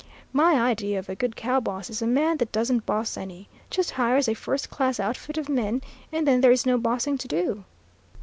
My idea of a good cow boss is a man that doesn't boss any; just hires a first class outfit of men, and then there is no bossing to do.